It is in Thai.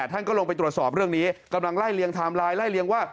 ท่านก็ลงไปตรวจสอบเรื่องนี้กำลังไล่เลียงไทม์ไลน์ไล่เลี้ยงว่า